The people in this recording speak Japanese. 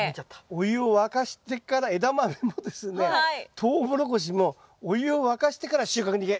お湯を沸かしてからエダマメもですねトウモロコシもお湯を沸かしてから収穫に行け！